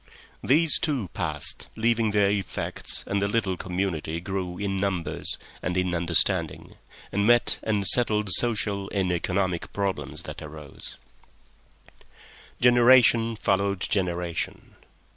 These two passed, leaving their effects, and the little community grew in numbers and in understanding, and met and settled social and economic problems that arose. Generation followed generation. Generation followed generation.